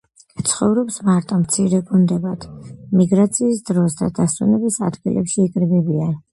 ცხოვრობს მარტო, მცირე გუნდებად მიგრაციის დროს და დასვენების ადგილებში იკრიბებიან.